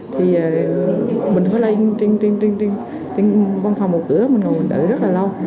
thì mình có lấy trên văn phòng một cửa mình ngồi mình đợi rất là lâu